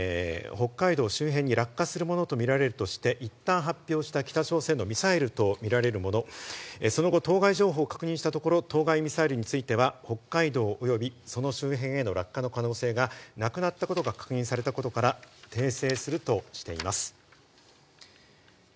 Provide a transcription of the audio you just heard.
政府は、繰り返しますが先ほど、北海道周辺に落下するものとみられるとして、いったん発表した北朝鮮のミサイルとみられるもの、その後、当該情報を確認したところ、当該ミサイルについては北海道及びその周辺への落下の可能性がなくなったことが確認されたことから、訂正するとしています。